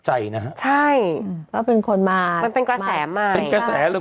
ใจนะฮะใช่อืมก็เป็นคนมามันเป็นกระแสมาเป็นกระแสเลย